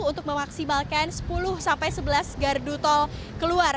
untuk memaksimalkan sepuluh sampai sebelas gardu tol keluar